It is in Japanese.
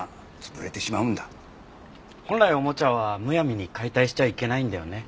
本来おもちゃはむやみに解体しちゃいけないんだよね。